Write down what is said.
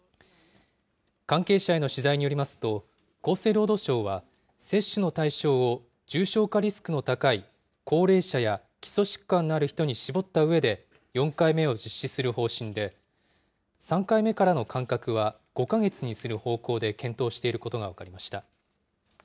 関係者への取材によりますと、厚生労働省は接種の対象を重症化リスクの高い高齢者や基礎疾患のある人に絞ったうえで４回目を実施する方針で、３回目からの間隔は５か月にする方向で検討していることが分かりました。